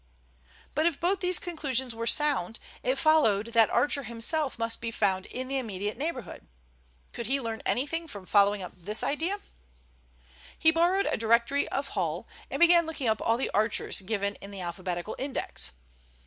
But if both these conclusions were sound, it followed that Archer himself must be found in the immediate neighborhood. Could he learn anything from following up this idea? He borrowed a directory of Hull and began looking up all the Archers given in the alphabetical index.